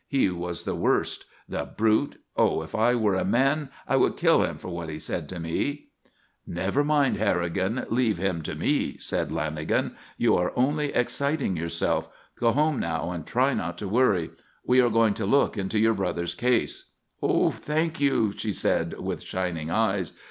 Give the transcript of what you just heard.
He was the worst. The brute! oh, if I were a man! I would kill him for what he said to me!" "Never mind Harrigan. Leave him to me," said Lanagan. "You are only exciting yourself. Go home now and try not to worry. We are going to look into your brother's case." "Thank you," she said, with shining eyes.